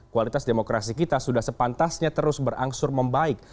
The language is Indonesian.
kualitas demokrasi kita sudah sepantasnya terus berangsur membaik